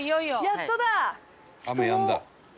やっとだ！